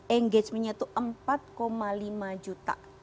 engagementnya itu empat lima juta